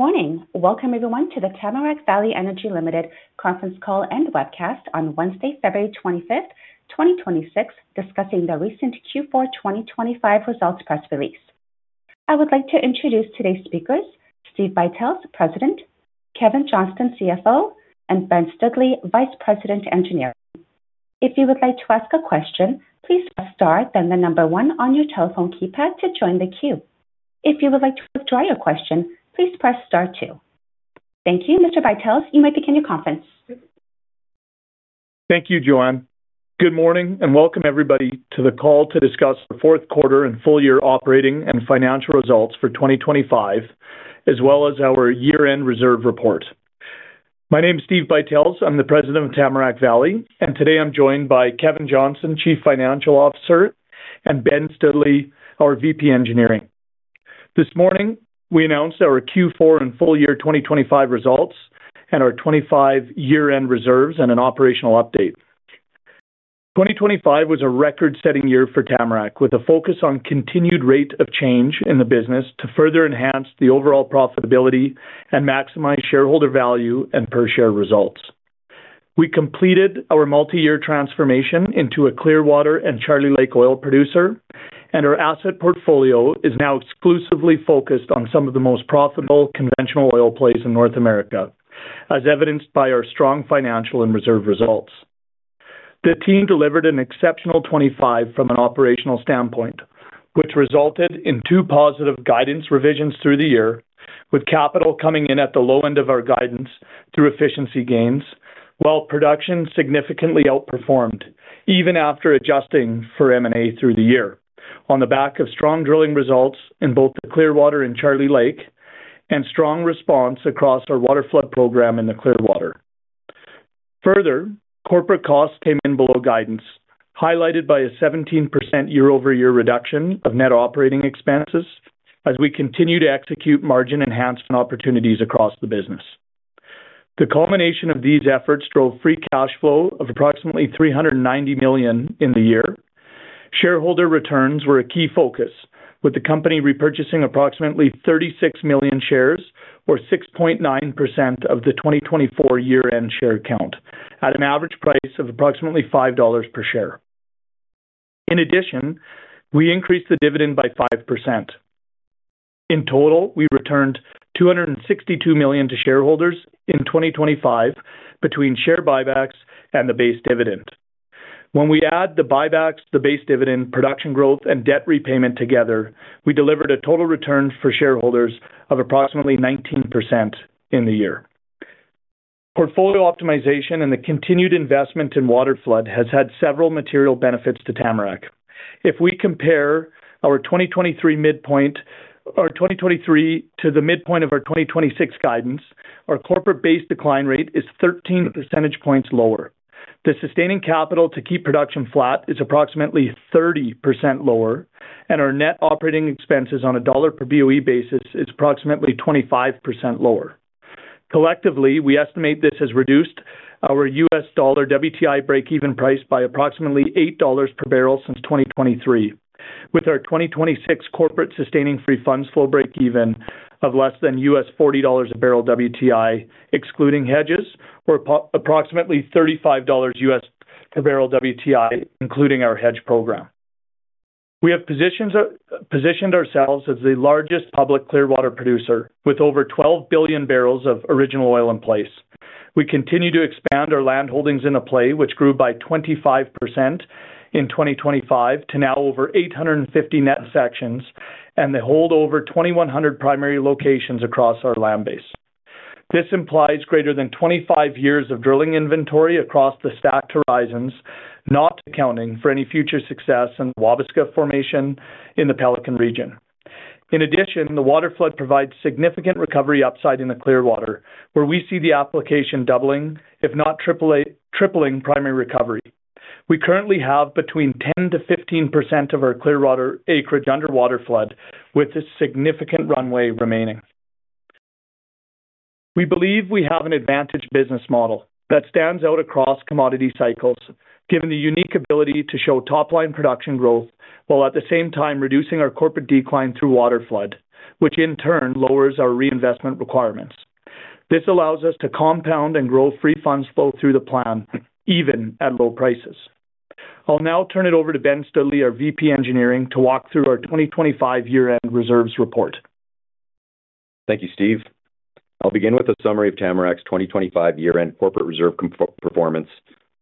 Good morning. Welcome everyone to the Tamarack Valley Energy Ltd. conference call and webcast on Wednesday, February 25, 2026, discussing the recent Q4 2025 results press release. I would like to introduce today's speakers, Steve Buytels, President, Kevin Johnston, CFO, and Ben Stoodley, Vice President, Engineering. If you would like to ask a question, please press Star, then one on your telephone keypad to join the queue. If you would like to withdraw your question, please press Star two. Thank you. Mr. Buytels, you may begin your conference. Thank you, Joanne. Good morning, and welcome everybody to the call to discuss the fourth quarter and full year operating and financial results for 2025, as well as our year-end reserve report. My name is Steve Buytels. I'm the President of Tamarack Valley, and today I'm joined by Kevin Johnston, Chief Financial Officer, and Ben Stoodley, our VP Engineering. This morning, we announced our Q4 and full year 2025 results and our 25 year-end reserves and an operational update. 2025 was a record-setting year for Tamarack, with a focus on continued rate of change in the business to further enhance the overall profitability and maximize shareholder value and per share results. We completed our multi-year transformation into a Clearwater and Charlie Lake oil producer, and our asset portfolio is now exclusively focused on some of the most profitable conventional oil plays in North America, as evidenced by our strong financial and reserve results. The team delivered an exceptional 25 from an operational standpoint, which resulted in two positive guidance revisions through the year, with capital coming in at the low end of our guidance through efficiency gains, while production significantly outperformed, even after adjusting for M&A through the year. On the back of strong drilling results in both the Clearwater and Charlie Lake and strong response across our waterflood program in the Clearwater. Further, corporate costs came in below guidance, highlighted by a 17% year-over-year reduction of net operating expenses as we continue to execute margin enhancement opportunities across the business. The culmination of these efforts drove free cash flow of approximately 390 million in the year. Shareholder returns were a key focus, with the company repurchasing approximately 36 million shares, or 6.9% of the 2024 year-end share count, at an average price of approximately 5 dollars per share. In addition, we increased the dividend by 5%. In total, we returned 262 million to shareholders in 2025 between share buybacks and the base dividend. When we add the buybacks, the base dividend, production growth, and debt repayment together, we delivered a total return for shareholders of approximately 19% in the year. Portfolio optimization and the continued investment in waterflood has had several material benefits to Tamarack. If we compare our 2023 to the midpoint of our 2026 guidance, our corporate base decline rate is 13 percentage points lower. Our sustaining capital to keep production flat is approximately 30% lower, and our net operating expenses on a dollar per BOE basis is approximately 25% lower. Collectively, we estimate this has reduced our U.S. dollar WTI breakeven price by approximately $8 per barrel since 2023, with our 2026 corporate sustaining free funds flow breakeven of less than U.S. $40 a barrel WTI, excluding hedges, or approximately $35 U.S. per barrel WTI, including our hedge program. We have positioned ourselves as the largest public Clearwater producer, with over 12 billion bbl of original oil in place. We continue to expand our land holdings in a play which grew by 25% in 2025 to now over 850 net sections, and they hold over 2,100 primary locations across our land base. This implies greater than 25 years of drilling inventory across the stacked horizons, not accounting for any future success in the Wabasca formation in the Pelican region. In addition, the waterflood provides significant recovery upside in the Clearwater, where we see the application doubling, if not tripling primary recovery. We currently have between 10%-15% of our Clearwater acreage under waterflood, with a significant runway remaining. We believe we have an advantage business model that stands out across commodity cycles, given the unique ability to show top-line production growth, while at the same time reducing our corporate decline through waterflood, which in turn lowers our reinvestment requirements. This allows us to compound and grow free funds flow through the plan, even at low prices. I'll now turn it over to Ben Stoodley, our VP, Engineering, to walk through our 2025 year-end reserves report. Thank you, Steve. I'll begin with a summary of Tamarack's 2025 year-end corporate reserve performance,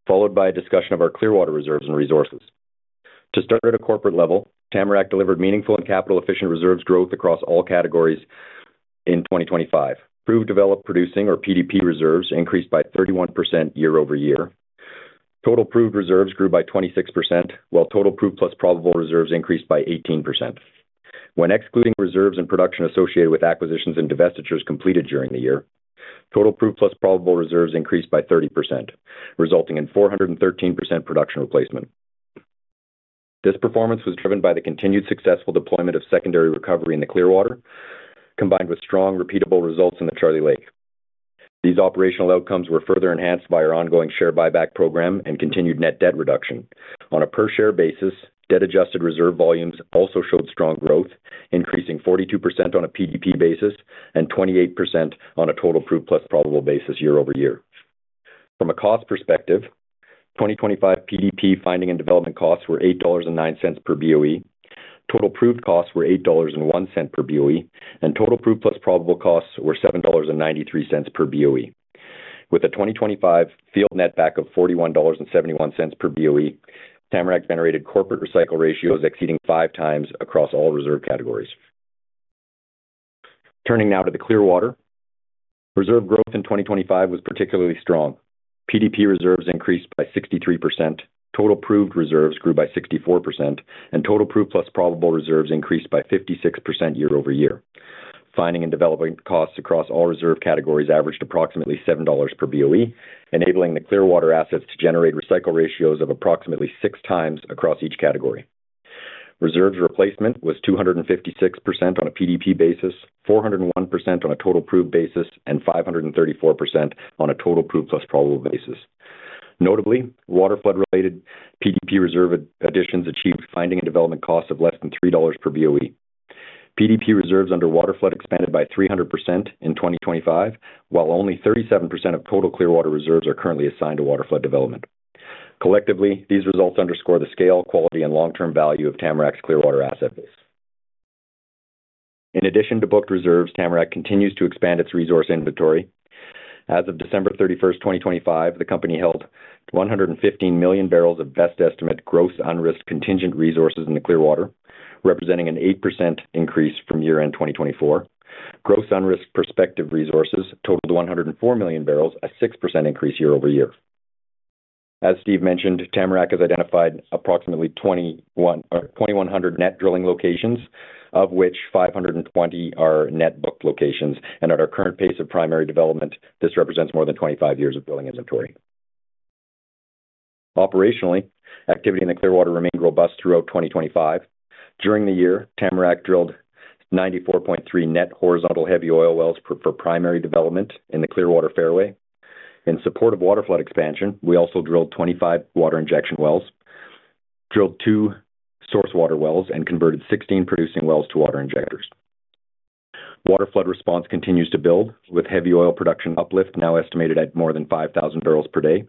followed by a discussion of our Clearwater reserves and resources. To start at a corporate level, Tamarack delivered meaningful and capital-efficient reserves growth across all categories in 2025. Proved developed producing or PDP reserves increased by 31% year-over-year. Total proved reserves grew by 26%, while total proved plus probable reserves increased by 18%. When excluding reserves and production associated with acquisitions and divestitures completed during the year, total proof plus probable reserves increased by 30%, resulting in 413% production replacement. This performance was driven by the continued successful deployment of secondary recovery in the Clearwater, combined with strong, repeatable results in the Charlie Lake. These operational outcomes were further enhanced by our ongoing share buyback program and continued net debt reduction. On a per share basis, debt-adjusted reserve volumes also showed strong growth, increasing 42% on a PDP basis and 28% on a total proved plus probable basis year-over-year. From a cost perspective, 2025 PDP finding and development costs were CAD $8.09 per BOE. Total proved costs were CAD $8.01 per BOE, and total proved plus probable costs were CAD $7.93 per BOE. With a 2025 field netback of CAD $41.71 per BOE, Tamarack generated corporate recycle ratios exceeding 5 times across all reserve categories. Turning now to the Clearwater. Reserve growth in 2025 was particularly strong. PDP reserves increased by 63%, total proved reserves grew by 64%, and total proved plus probable reserves increased by 56% year-over-year. Finding and development costs across all reserve categories averaged approximately CAD $7 per BOE, enabling the Clearwater assets to generate recycle ratios of approximately 6 times across each category. Reserves replacement was 256% on a PDP basis, 401% on a total proved basis, and 534% on a total proved plus probable basis. Notably, waterflood-related PDP reserve additions achieved finding and development costs of less than CAD $3 per BOE. PDP reserves under waterflood expanded by 300% in 2025, while only 37% of total Clearwater reserves are currently assigned to waterflood development. Collectively, these results underscore the scale, quality, and long-term value of Tamarack's Clearwater asset base. In addition to booked reserves, Tamarack continues to expand its resource inventory. As of December 31, 2025, the company held 115 million bbl of best estimate gross unrisked contingent resources in the Clearwater, representing an 8% increase from year-end 2024. Gross unrisked prospective resources totaled 104 million bbl, a 6% increase year-over-year. As Steve mentioned, Tamarack has identified approximately 2,100 net drilling locations, of which 520 are net booked locations, at our current pace of primary development, this represents more than 25 years of drilling inventory. Operationally, activity in the Clearwater remained robust throughout 2025. During the year, Tamarack drilled 94.3 net horizontal heavy oil wells for primary development in the Clearwater Fairway. In support of waterflood expansion, we also drilled 25 water injection wells, drilled two source water wells, and converted 16 producing wells to water injectors. Waterflood response continues to build, with heavy oil production uplift now estimated at more than 5,000 bbl per day,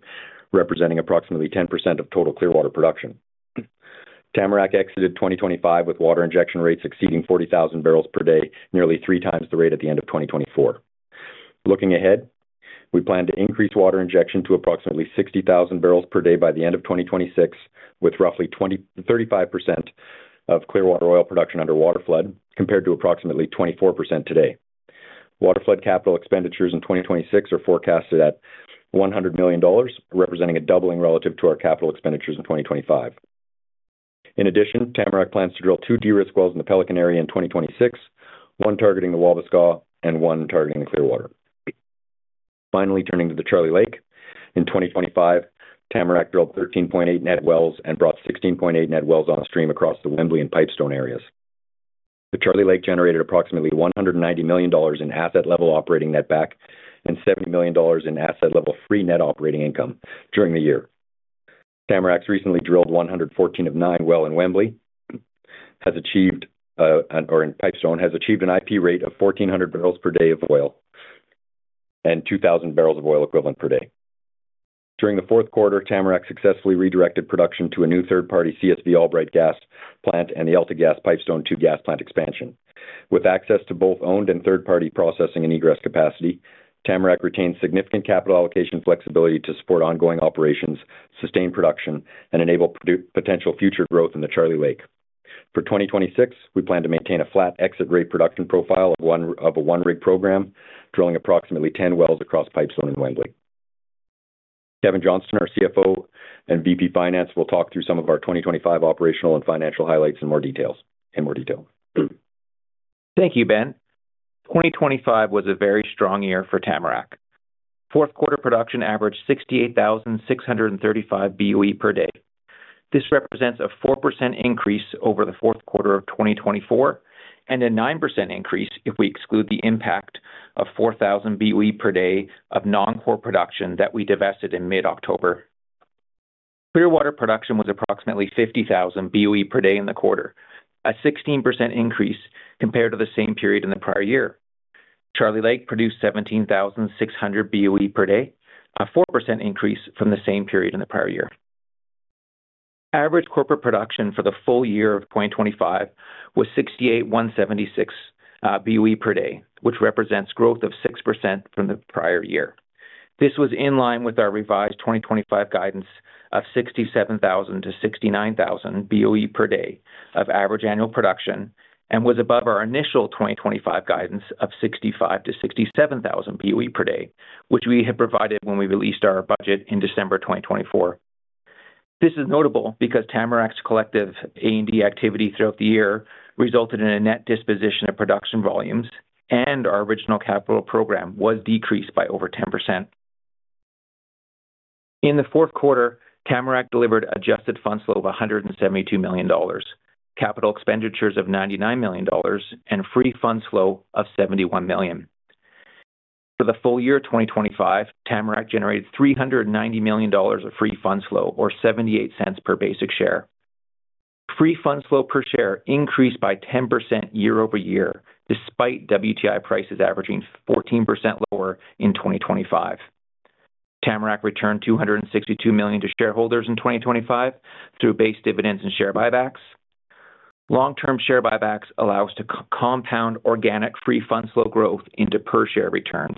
representing approximately 10% of total Clearwater production. Tamarack exited 2025 with water injection rates exceeding 40,000 bbl per day, nearly three times the rate at the end of 2024. Looking ahead, we plan to increase water injection to approximately 60,000 bbl per day by the end of 2026, with roughly 35% of Clearwater oil production under Waterflood, compared to approximately 24% today. Waterflood capital expenditures in 2026 are forecasted at 100 million dollars, representing a doubling relative to our capital expenditures in 2025. In addition, Tamarack plans to drill two de-risk wells in the Pelican area in 2026, one targeting the Wabasca and one targeting the Clearwater. Finally, turning to the Charlie Lake. In 2025, Tamarack drilled 13.8 net wells and brought 16.8 net wells on stream across the Wembley and Pipestone areas. The Charlie Lake generated approximately $190 million in asset-level operating netback and $70 million in asset-level free net operating income during the year. Tamarack's recently drilled 114 of 9 well in Wembley, has achieved, or in Pipestone, has achieved an IP rate of 1,400 bbl per day of oil and 2,000 bbl of oil equivalent per day. During the fourth quarter, Tamarack successfully redirected production to a new third-party CSV Albright gas plant and the AltaGas Pipestone II gas plant expansion. With access to both owned and third-party processing and egress capacity, Tamarack retains significant capital allocation flexibility to support ongoing operations, sustain production, and enable potential future growth in the Charlie Lake. For 2026, we plan to maintain a flat exit rate production profile of a 1-rig program, drilling approximately 10 wells across Pipestone and Wembley. Kevin Johnston, our CFO and VP Finance, will talk through some of our 2025 operational and financial highlights in more detail. Thank you, Ben. 2025 was a very strong year for Tamarack. Fourth quarter production averaged 68,635 BOE per day. This represents a 4% increase over the fourth quarter of 2024, and a 9% increase if we exclude the impact of 4,000 BOE per day of non-core production that we divested in mid-October. Clearwater production was approximately 50,000 BOE per day in the quarter, a 16% increase compared to the same period in the prior year. Charlie Lake produced 17,600 BOE per day, a 4% increase from the same period in the prior year. Average corporate production for the full year of 2025 was 68,176 BOE per day, which represents growth of 6% from the prior year. This was in line with our revised 2025 guidance of 67,000-69,000 BOE per day of average annual production, and was above our initial 2025 guidance of 65,000-67,000 BOE per day, which we had provided when we released our budget in December 2024. This is notable because Tamarack's collective A&D activity throughout the year resulted in a net disposition of production volumes, and our original capital program was decreased by over 10%. In Q4, Tamarack delivered adjusted fund flow of 172 million dollars, capital expenditures of 99 million dollars, and free fund flow of 71 million. For the full year of 2025, Tamarack generated 390 million dollars of free fund flow, or 0.78 per basic share. Free fund flow per share increased by 10% year-over-year, despite WTI prices averaging 14% lower in 2025. Tamarack returned 262 million to shareholders in 2025 through base dividends and share buybacks. Long-term share buybacks allow us to compound organic free fund flow growth into per share returns.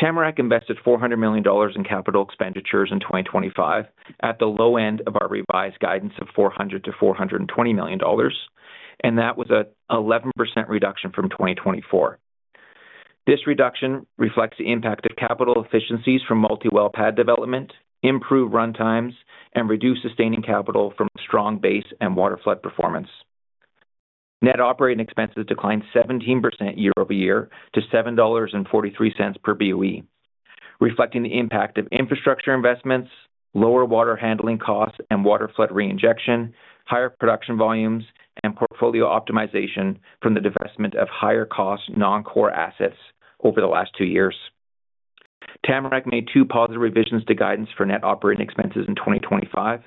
Tamarack invested 400 million dollars in capital expenditures in 2025, at the low end of our revised guidance of 400 million-420 million dollars, that was an 11% reduction from 2024. This reduction reflects the impact of capital efficiencies from multi-well pad development, improved runtimes, and reduced sustaining capital from strong base and waterflood performance. Net operating expenses declined 17% year-over-year to 7.43 dollars per BOE, reflecting the impact of infrastructure investments, lower water handling costs and waterflood reinjection, higher production volumes, and portfolio optimization from the divestment of higher cost non-core assets over the last two years. Tamarack made 2 positive revisions to guidance for net operating expenses in 2025.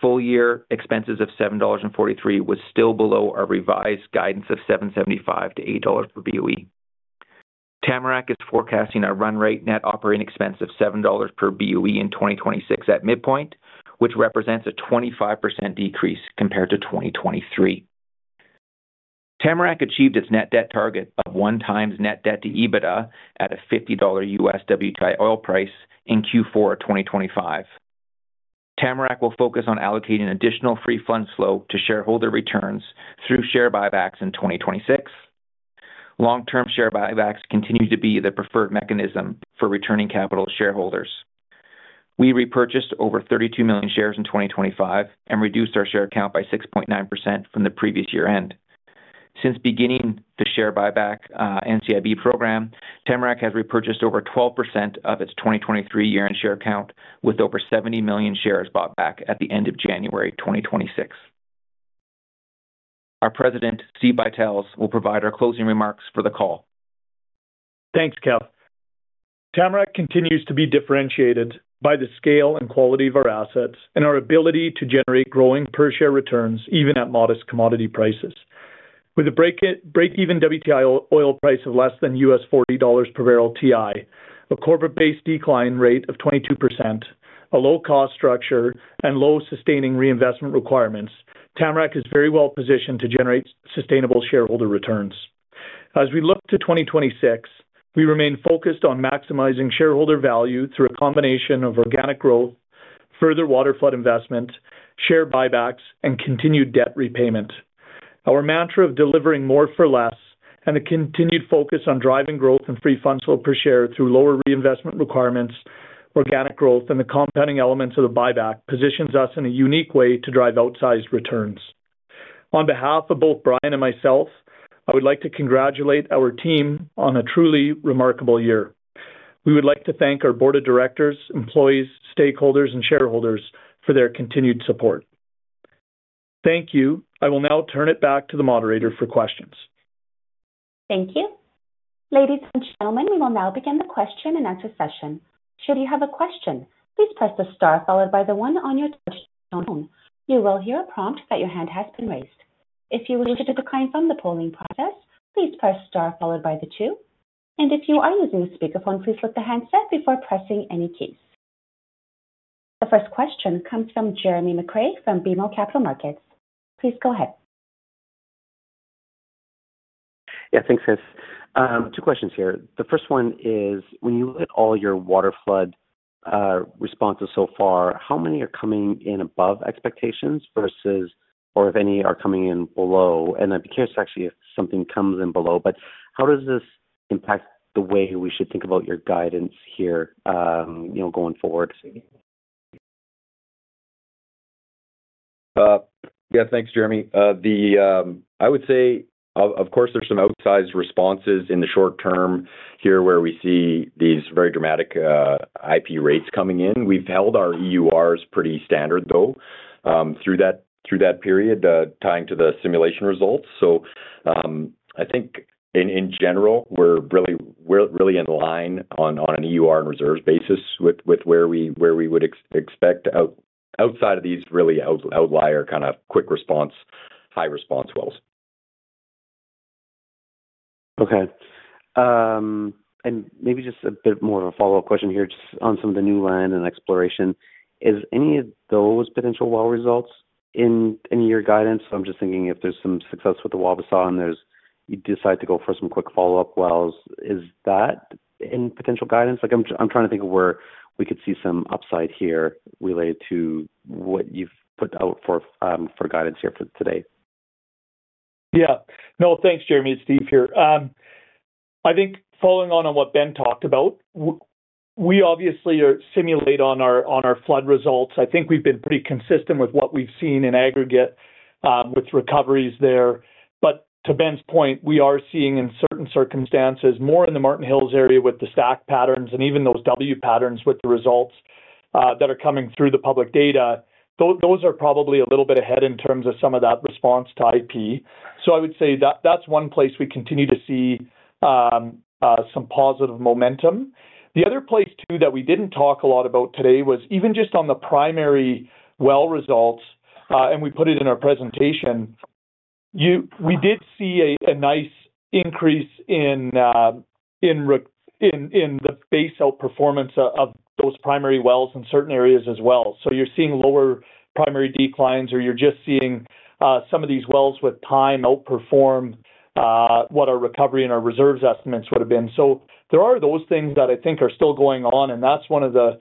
Full year expenses of 7.43 dollars was still below our revised guidance of 7.75-8.00 dollars per BOE. Tamarack is forecasting a run rate net operating expense of 7.00 dollars per BOE in 2026 at midpoint, which represents a 25% decrease compared to 2023. Tamarack achieved its net debt target of 1 times net debt to EBITDA at a 50 US dollars WTI oil price in Q4 of 2025. Tamarack will focus on allocating additional free fund flow to shareholder returns through share buybacks in 2026. Long-term share buybacks continue to be the preferred mechanism for returning capital to shareholders. We repurchased over 32 million shares in 2025 and reduced our share count by 6.9% from the previous year end. Since beginning the share buyback, NCIB program, Tamarack has repurchased over 12% of its 2023 year-end share count, with over 70 million shares bought back at the end of January 2026. Our President, Steve Buytels, will provide our closing remarks for the call. Thanks, Kev. Tamarack continues to be differentiated by the scale and quality of our assets and our ability to generate growing per share returns, even at modest commodity prices. With a break-even WTI oil price of less than US $40 per barrel WTI, a corporate base decline rate of 22%, a low-cost structure, and low sustaining reinvestment requirements, Tamarack is very well positioned to generate sustainable shareholder returns. As we look to 2026, we remain focused on maximizing shareholder value through a combination of organic growth, further waterflood investment, share buybacks, and continued debt repayment. Our mantra of delivering more for less and a continued focus on driving growth and free fund flow per share through lower reinvestment requirements, organic growth, and the compounding elements of the buyback, positions us in a unique way to drive outsized returns. On behalf of both Brian and myself, I would like to congratulate our team on a truly remarkable year. We would like to thank our board of directors, employees, stakeholders, and shareholders for their continued support. Thank you. I will now turn it back to the moderator for questions. Thank you. Ladies and gentlemen, we will now begin the question and answer session. Should you have a question, please press the star followed by the one on your touchtone phone. You will hear a prompt that your hand has been raised. If you would like to decline from the polling process, please press star followed by the two. If you are using a speakerphone, please lift the handset before pressing any keys. The first question comes from Jeremy McCrea from BMO Capital Markets. Please go ahead. Yeah, thanks, guys. Two questions here. The first one is: when you look at all your waterflood responses so far, how many are coming in above expectations versus or if any are coming in below? I'd be curious, actually, if something comes in below. How does this impact the way we should think about your guidance here, you know, going forward? Yeah, thanks, Jeremy. I would say, of course, there's some outsized responses in the short term here, where we see these very dramatic IP rates coming in. We've held our EURs pretty standard, though, through that period, tying to the simulation results. I think in general, we're really in line on an EUR and reserves basis with where we would expect outside of these really outlier, kind of quick response, high response wells. Okay. Maybe just a bit more of a follow-up question here, just on some of the new land and exploration. Is any of those potential well results in your guidance? I'm just thinking if there's some success with the Wabasca and you decide to go for some quick follow-up wells, is that in potential guidance? Like I'm trying to think of where we could see some upside here related to what you've put out for guidance here for today. Yeah. No, thanks, Jeremy. It's Steve here. I think following on what Ben talked about, we obviously simulate on our flood results. I think we've been pretty consistent with what we've seen in aggregate. To Ben's point, we are seeing in certain circumstances, more in the Martin Hills area with the stack patterns and even those W patterns with the results that are coming through the public data. Those are probably a little bit ahead in terms of some of that response to IP. I would say that's one place we continue to see some positive momentum. The other place, too, that we didn't talk a lot about today, was even just on the primary well results, and we put it in our presentation, we did see a nice increase in the base outperformance of those primary wells in certain areas as well. You're seeing lower primary declines, or you're just seeing some of these wells with time outperform what our recovery and our reserves estimates would have been. There are those things that I think are still going on, and that's one of the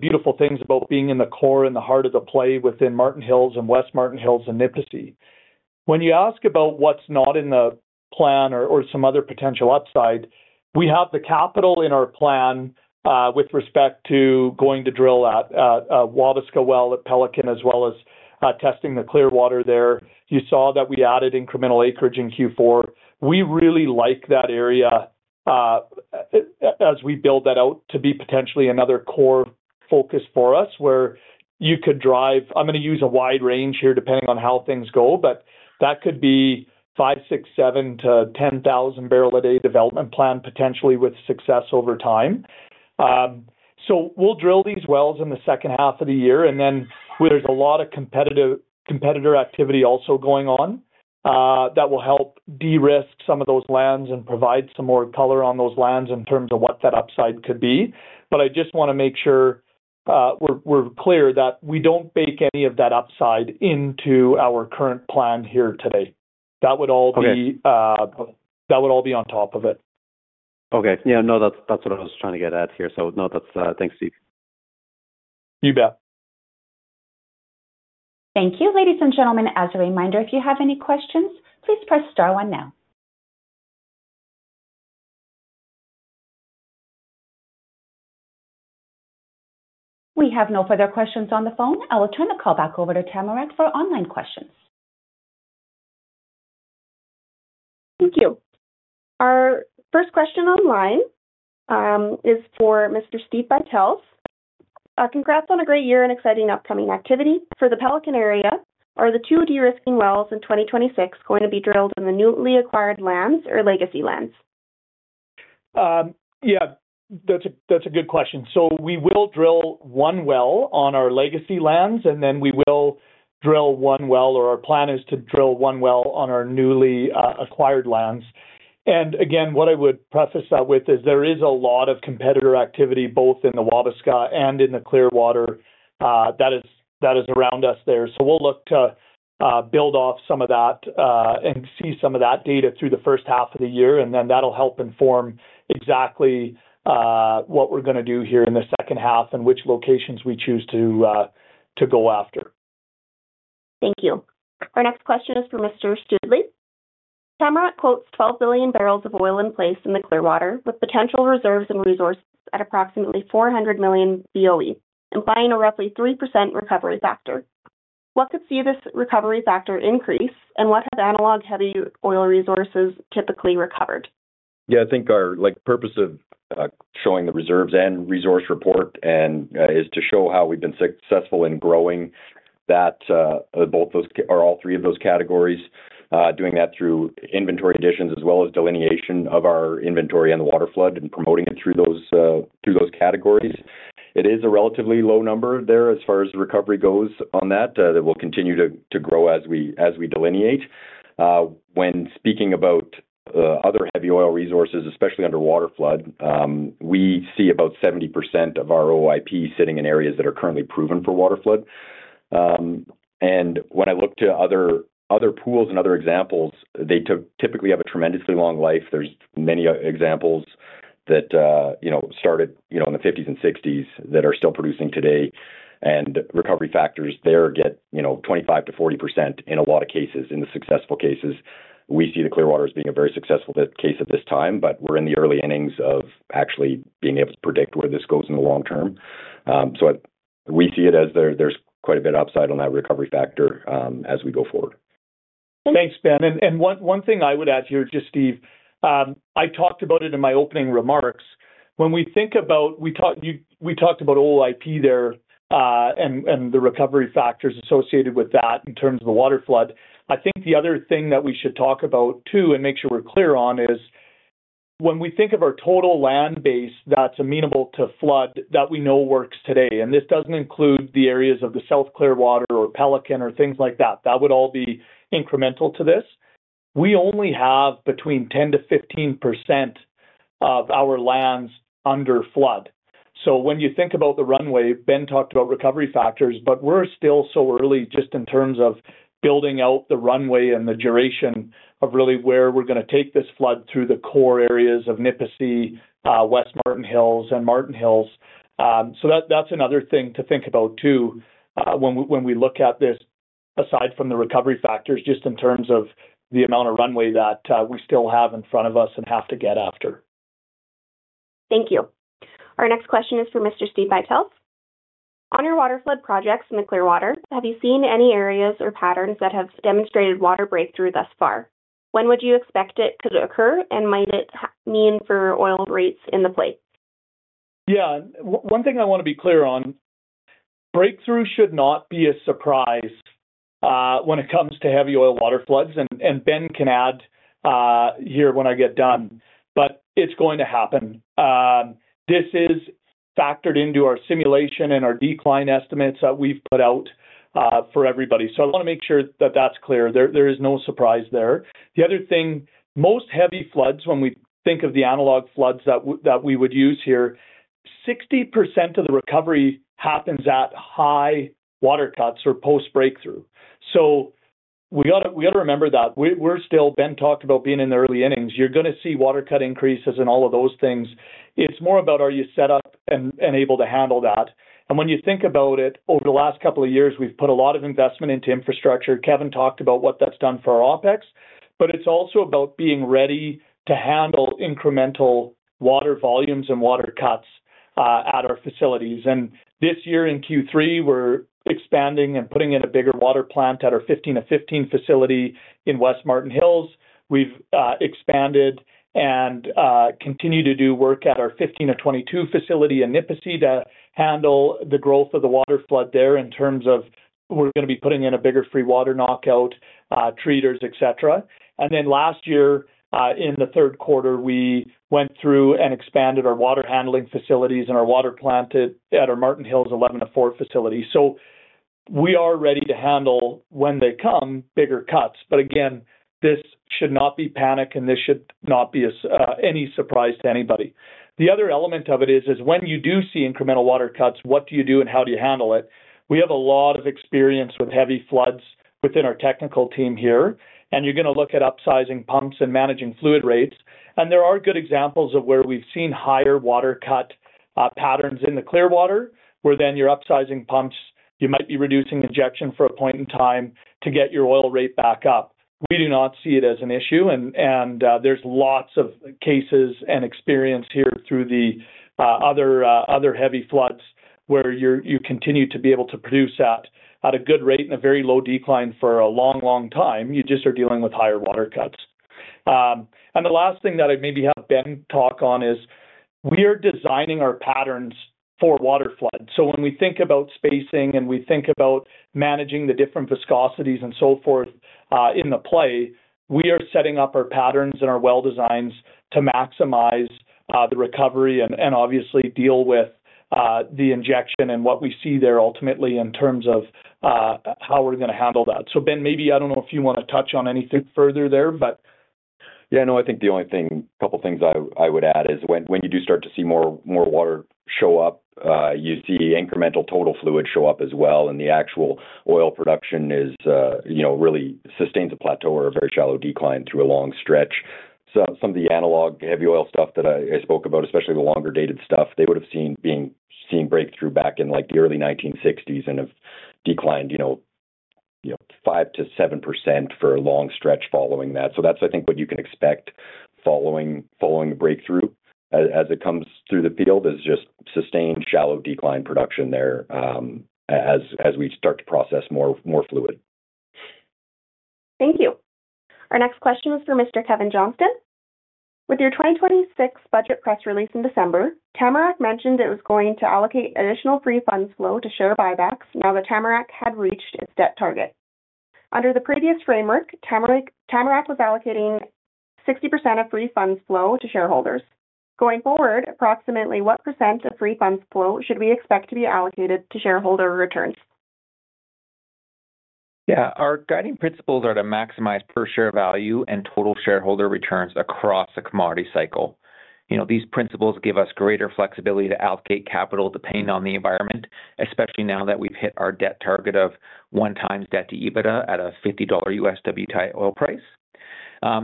beautiful things about being in the core, in the heart of the play within Martin Hills and West Martin Hills and Nipisi. When you ask about what's not in the plan or some other potential upside, we have the capital in our plan with respect to going to drill at Wabasca well at Pelican, as well as testing the Clearwater there. You saw that we added incremental acreage in Q4. We really like that area, as we build that out to be potentially another core focus for us, where you could drive. I'm gonna use a wide range here, depending on how things go, That could be 5, 6, 7 to 10,000 barrel a day development plan, potentially with success over time. We'll drill these wells in the second half of the year, and then there's a lot of competitor activity also going on that will help de-risk some of those lands and provide some more color on those lands in terms of what that upside could be. I just wanna make sure we're clear that we don't bake any of that upside into our current plan here today. That would all be- Okay. That would all be on top of it. Okay. Yeah, no, that's what I was trying to get at here. No, that's. Thanks, Steve. You bet. Thank you. Ladies and gentlemen, as a reminder, if you have any questions, please press star one now. We have no further questions on the phone. I will turn the call back over to Tamarack for online questions. Thank you. Our first question online is for Mr. Steve Buytels. Congrats on a great year and exciting upcoming activity. For the Pelican area, are the two de-risking wells in 2026 going to be drilled in the newly acquired lands or legacy lands? Yeah, that's a good question. We will drill one well on our legacy lands, and then we will drill one well, or our plan is to drill one well on our newly acquired lands. Again, what I would preface that with is there is a lot of competitor activity, both in the Wabasca and in the Clearwater, that is around us there. We'll look to build off some of that and see some of that data through the first half of the year, that'll help inform exactly what we're gonna do here in the second half and which locations we choose to go after. Thank you. Our next question is for Mr. Stoodley. Tamarack quotes 12 billion bbl of oil in place in the Clearwater, with potential reserves and resources at approximately 400 million BOE, implying a roughly 3% recovery factor. What could see this recovery factor increase, and what has analog heavy oil resources typically recovered? Yeah, I think our, like, purpose of showing the reserves and resource report and is to show how we've been successful in growing that, both those or all three of those categories. Doing that through inventory additions as well as delineation of our inventory on the waterflood and promoting it through those, through those categories. It is a relatively low number there as far as recovery goes on that. That will continue to grow as we delineate. When speaking about other heavy oil resources, especially under waterflood, we see about 70% of our OOIP sitting in areas that are currently proven for waterflood. When I look to other pools and other examples, they typically have a tremendously long life. There's many examples that, you know, started, you know, in the 50s and 60s, that are still producing today. Recovery factors there get, you know, 25%-40% in a lot of cases, in the successful cases. We see the Clearwaters being a very successful case at this time, but we're in the early innings of actually being able to predict where this goes in the long term. We see it as there's quite a bit of upside on that recovery factor as we go forward. Thanks, Ben. One thing I would add here, just Steve, I talked about it in my opening remarks. We talked about OOIP there, and the recovery factors associated with that in terms of the waterflood. I think the other thing that we should talk about, too, and make sure we're clear on, is when we think of our total land base that's amenable to flood that we know works today, and this doesn't include the areas of the South Clearwater or Pelican or things like that would all be incremental to this. We only have between 10%-15% of our lands under flood. When you think about the runway, Ben talked about recovery factors, but we're still so early just in terms of building out the runway and the duration of really where we're gonna take this flood through the core areas of Nipisi, West Martin Hills, and Martin Hills. That's another thing to think about, too, when we look at this, aside from the recovery factors, just in terms of the amount of runway that we still have in front of us and have to get after. Thank you. Our next question is for Mr. Steve Buytels. On your waterflood projects in the Clearwater, have you seen any areas or patterns that have demonstrated water breakthrough thus far? When would you expect it to occur, and might it mean for oil rates in the play? One thing I wanna be clear on, breakthrough should not be a surprise when it comes to heavy oil waterfloods, and Ben can add here when I get done, but it's going to happen. This is factored into our simulation and our decline estimates that we've put out for everybody. I wanna make sure that that's clear. There is no surprise there. The other thing, most heavy floods, when we think of the analog floods that we would use here, 60% of the recovery happens at high water cuts or post-breakthrough. We gotta remember that. We're still. Ben talked about being in the early innings. You're gonna see water cut increases and all of those things. It's more about are you set up and able to handle that. When you think about it, over the last couple of years, we've put a lot of investment into infrastructure. Kevin talked about what that's done for our OpEx, but it's also about being ready to handle incremental water volumes and water cuts at our facilities. This year, in Q3, we're expanding and putting in a bigger water plant at our 15-15 facility in West Martin Hills. We've expanded and continue to do work at our 15-22 facility in Nipisi to handle the growth of the waterflood there in terms of we're gonna be putting in a bigger free water knockout, treaters, et cetera. Last year, in the third quarter, we went through and expanded our water handling facilities and our water plant at our Martin Hills 11-4 facility. We are ready to handle, when they come, bigger cuts. Again, this should not be panic, and this should not be any surprise to anybody. The other element of it is when you do see incremental water cuts, what do you do and how do you handle it? We have a lot of experience with heavy floods within our technical team here, you're gonna look at upsizing pumps and managing fluid rates. There are good examples of where we've seen higher water cut, patterns in the Clearwater, where then you're upsizing pumps, you might be reducing injection for a point in time to get your oil rate back up. We do not see it as an issue, and there's lots of cases and experience here through the other heavy floods where you continue to be able to produce at a good rate and a very low decline for a long, long time. You just are dealing with higher water cuts. The last thing that I'd maybe have Ben talk on is, we are designing our patterns for waterflood. When we think about spacing and we think about managing the different viscosities and so forth, in the play, we are setting up our patterns and our well designs to maximize the recovery and obviously deal with the injection and what we see there ultimately in terms of how we're gonna handle that. Ben, maybe, I don't know if you wanna touch on anything further there, but- I think the only thing, couple of things I would add is when you do start to see more water show up, you see incremental total fluid show up as well, the actual oil production is, you know, really sustains a plateau or a very shallow decline through a long stretch. Some of the analog heavy oil stuff that I spoke about, especially the longer-dated stuff, they would have seen breakthrough back in, like, the early 1960s and have declined, you know, 5% to 7% for a long stretch following that. That's, I think, what you can expect following the breakthrough. As it comes through the field, there's just sustained shallow decline production there, as we start to process more fluid. Thank you. Our next question is for Mr. Kevin Johnston. With your 2026 budget press release in December, Tamarack mentioned it was going to allocate additional free funds flow to share buybacks now that Tamarack had reached its debt target. Under the previous framework, Tamarack was allocating 60% of free funds flow to shareholders. Going forward, approximately what percent of free funds flow should we expect to be allocated to shareholder returns? Yeah. Our guiding principles are to maximize per share value and total shareholder returns across the commodity cycle. You know, these principles give us greater flexibility to allocate capital, depending on the environment, especially now that we've hit our debt target of 1 times debt to EBITDA at a $50 WTI oil price.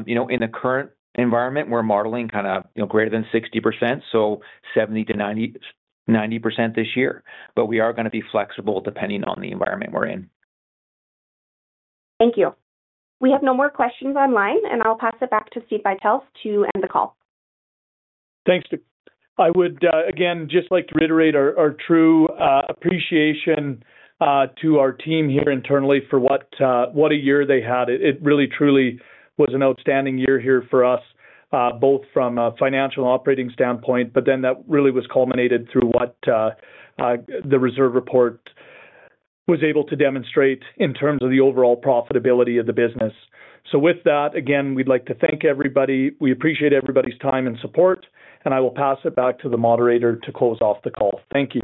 You know, in the current environment, we're modeling kind of, you know, greater than 60%, so 70%-90% this year. We are gonna be flexible depending on the environment we're in. Thank you. We have no more questions online, and I'll pass it back to Steve Buytels to end the call. Thanks. I would again just like to reiterate our true appreciation to our team here internally for what a year they had. It really truly was an outstanding year here for us, both from a financial and operating standpoint. That really was culminated through what the reserve report was able to demonstrate in terms of the overall profitability of the business. With that, again, we'd like to thank everybody. We appreciate everybody's time and support, and I will pass it back to the moderator to close off the call. Thank you.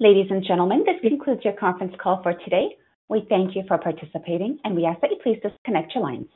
Ladies and gentlemen, this concludes your conference call for today. We thank you for participating, and we ask that you please disconnect your lines.